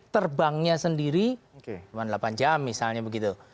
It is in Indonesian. terbangnya sendiri cuma delapan jam misalnya begitu